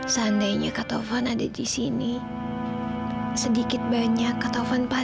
sampai jumpa di video selanjutnya